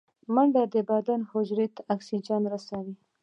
منډه د بدن حجرو ته اکسیجن رسوي